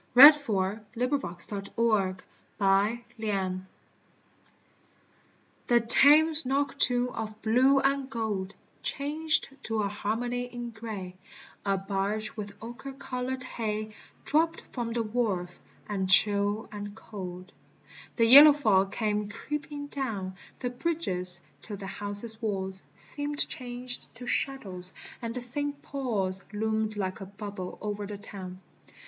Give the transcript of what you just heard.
WIND FLOWERS IMPRESSION DU MATIN THE Thame, noctnn* of blue «1 gold Changed to a Harmon y in gray : A barge with ochre colored hay Dropt from the wharf: and chili and cold The yellow fog came creeping down The bridges, till the houses' waDs Seemed changed to shadows, and S. Paul's Loomed like a bubble o'er the town.